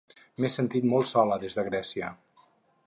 M'he sentit molt sola, des de Grècia.